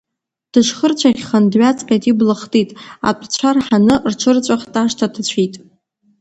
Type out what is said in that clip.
Дышхырцәаӷьхан дҩаҵҟьеит, ибла хтит, атәцәа рҳаны рҽырҵәахт, ашҭа ҭацәит.